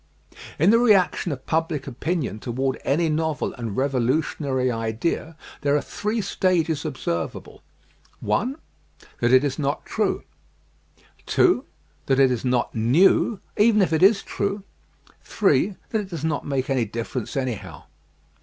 In the reaction of public opinion toward any novel and revolutionary idea there are three stages observ able. I. That it is not true. THE OPPOSITION TO NEW IDEAS 101 2. That it is not new even if it is true. 3. That it does not make any difference anyhow.